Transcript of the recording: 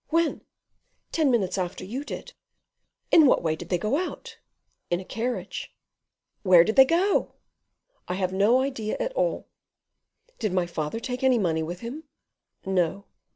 "When?" "Ten minutes after you did." "In what way did they go out?" "In a carriage." "Where did they go?" "I have no idea at all." "Did my father take any money with him?" "No."